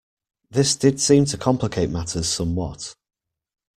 This did seem to complicate matters somewhat.